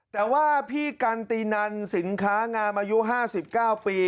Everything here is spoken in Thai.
แต่ว่าพี่กันตินันสินค้างามอายุ๕๙ปี